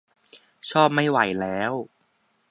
ชอบไม่ไหวแล้ว !